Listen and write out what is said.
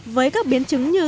với các biến chứng như